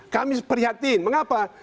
kami perhatiin mengapa